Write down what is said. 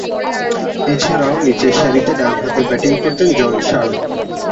এছাড়াও, নিচেরসারিতে ডানহাতে ব্যাটিং করতেন জন শার্প।